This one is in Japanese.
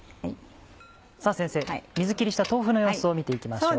先生水切りした豆腐の様子を見て行きましょう。